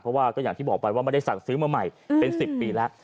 เพราะว่าก็อย่างที่บอกไปว่าไม่ได้สั่งซื้อมาใหม่เป็น๑๐ปีแล้ว